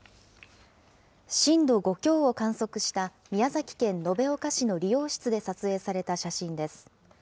震度５強を観測した宮崎県延岡市の理容室で撮影された写真です。